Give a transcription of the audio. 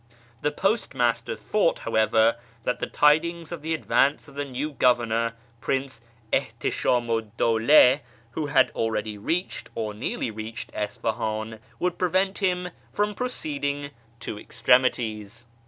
The postmaster thought, however, that the tidings of the advance of the new governor, Prince Ihtishamu'd Dawla, who had already reached, or nearly reached, Isfahan, would prevent him from proceeding to extremities.